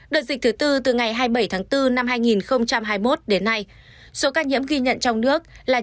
đợt dịch thứ tư từ ngày hai mươi bảy tháng bốn năm hai nghìn hai mươi một đến nay số ca nhiễm ghi nhận trong nước là chín sáu trăm bốn mươi hai chín trăm hai mươi chín ca